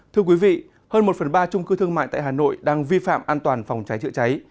thưa quý vị hơn một phần ba trung cư thương mại tại hà nội đang vi phạm an toàn phòng cháy chữa cháy